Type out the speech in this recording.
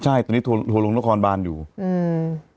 ใช่แต่ตอนนี้คนอ่ะทัวร์